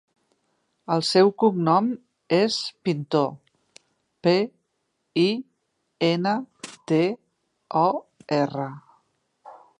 El seu cognom és Pintor: pe, i, ena, te, o, erra.